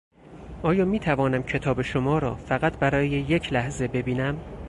آیا میتوانم کتاب شما را فقط برای یک لحظه ببینم؟